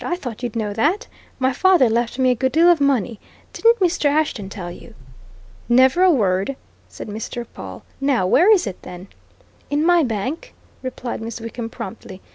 "I thought you'd know that. My father left me a good deal of money. Didn't Mr. Ashton tell you?" "Never a word!" said Mr. Pawle. "Now where is it, then?" "In my bank," replied Miss Wickham promptly.